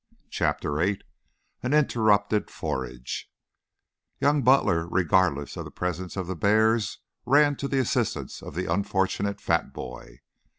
CHAPTER VIII AN INTERRUPTED FORAGE Young Butler, regardless of the presence of the bears, ran to the assistance of the unfortunate fat boy.